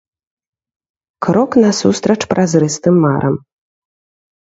Крок насустрач празрыстым марам.